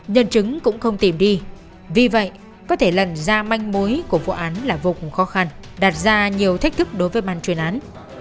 nhân chứng cũng không tìm đi vì vậy có thể lần ra manh mối của vụ án là vô cùng khó khăn đạt ra nhiều thách thức đối với ban chuyên án